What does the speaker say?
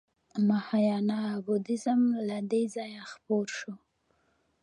مهایانا بودیزم له دې ځایه خپور شو